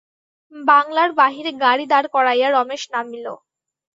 বাংলার বাহিরে গাড়ি দাঁড় করাইয়া রমেশ নামিল।